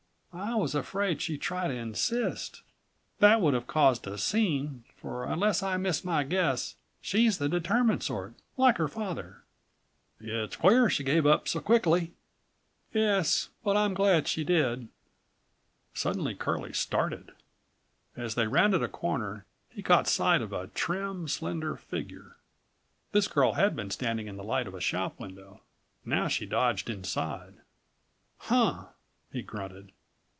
I was afraid she'd try to insist. That would have caused a scene, for unless I miss my guess she's the determined sort like her father." "It's queer she gave us up so quickly." "Yes, but I'm glad she did." Suddenly Curlie started. As they rounded a corner he caught sight of a trim, slender figure. This girl had been standing in the light of a shop window. Now she dodged inside. "Huh!" he grunted.